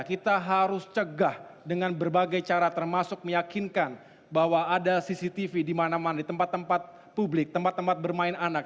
kita harus cegah dengan berbagai cara termasuk meyakinkan bahwa ada cctv di mana mana di tempat tempat publik tempat tempat bermain anak